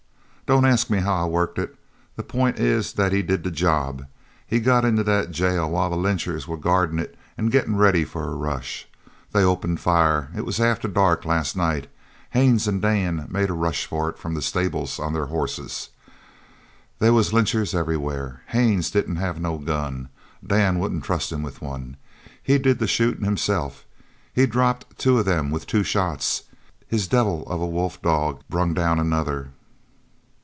"Don't ask me how I worked it. The pint is that he did the job. He got into the jail while the lynchers was guardin' it, gettin' ready for a rush. They opened fire. It was after dark last night. Haines an' Dan made a rush for it from the stable on their hosses. They was lynchers everywhere. Haines didn't have no gun. Dan wouldn't trust him with one. He did the shootin' himself. He dropped two of them with two shots. His devil of a wolf dog brung down another."